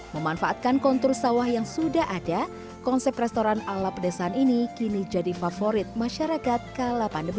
memanfaatkan kontur sawah yang sudah ada konsep restoran ala pedesaan ini kini jadi favorit masyarakat kala pandemi